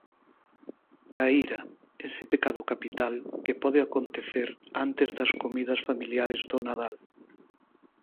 A ira, ese pecado capital que pode acontecer antes das comidas familiares do Nadal.